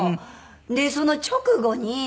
でその直後に。